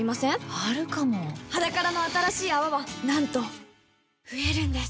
あるかも「ｈａｄａｋａｒａ」の新しい泡はなんと増えるんです